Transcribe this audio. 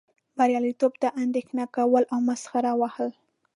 بریالیتوب ته اندیښنه کول او مسخرې وهل.